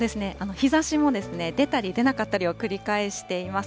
日ざしも出たり出なかったりを繰り返しています。